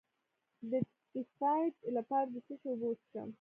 د ټایفایډ لپاره د څه شي اوبه وڅښم؟